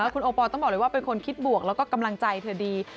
คุณโอปอลต้องบอกเลยว่าเป็นคนคิดบวกแล้วก็กำลังใจเธอดี